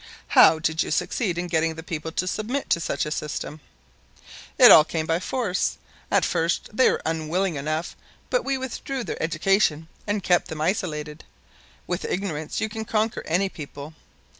"How did you succeed in getting the people to submit to such a system?" "It all came by force. At first they were unwilling enough, but we withdrew their education and kept them isolated. With ignorance you can conquer any people.